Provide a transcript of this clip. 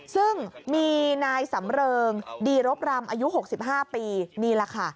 ซึ่งมีนายสำเริงดีรบรำอายุ๖๕ปีนี่แหละค่ะ